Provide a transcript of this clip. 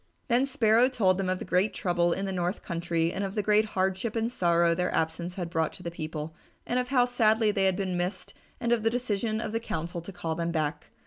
Then Sparrow told them of the great trouble in the north country and of the great hardship and sorrow their absence had brought to the people, and of how sadly they had been missed and of the decision of the council to call them back.